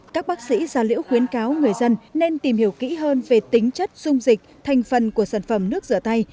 các bác sĩ gia liễu khuyến cáo người dân nên tìm hiểu kỹ hơn về tính chất dung dịch thành phần của sản phẩm nước rửa tay